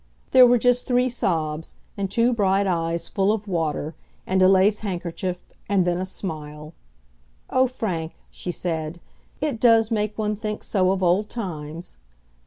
There were just three sobs, and two bright eyes full of water, and a lace handkerchief, and then a smile. "Oh, Frank," she said, "it does make one think so of old times!"